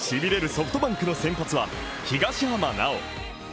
ソフトバンクの先発は東浜巨。